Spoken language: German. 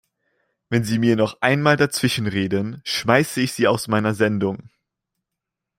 Wenn Sie mir noch einmal dazwischenreden, schmeiße ich Sie aus meiner Sendung!